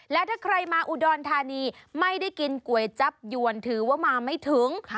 และถ้าใครมาอุดรธานีไม่ได้กินก๋วยจับยวนถือว่ามาไม่ถึง